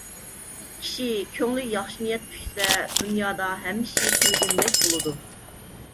كىشى كۆڭلىگە ياخشى نىيەت پۈكسە، دۇنيادا ھەممە ئىشى تىلىگىنىدەك بولىدۇ.